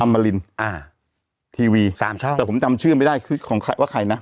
มารินอ่าทีวีสามช่องแต่ผมจำชื่อไม่ได้คือของใครว่าใครนะ